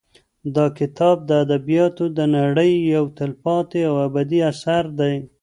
دا کتاب د ادبیاتو د نړۍ یو تلپاتې او ابدي اثر دی.